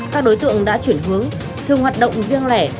các đối tượng đã chuyển hướng dừng hoạt động riêng lẻ